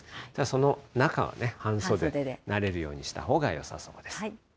その中はね、半袖になれるようにしたほうがよさそうです。